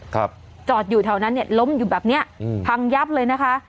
ครับจอดอยู่แถวนั้นเนี่ยล้มอยู่แบบเนี้ยอืมพังยับเลยนะคะ